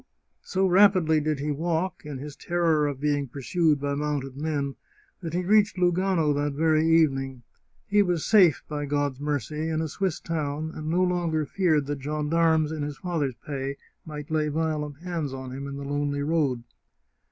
So rapidly did he walk, in his terror of being pursued by mounted men, that he reached Lugano that very evening. He was safe, by God's mercy, in a Swiss town, and no longer feared that gendarmes in his father's pay might lay violent hands on him in the lonely road.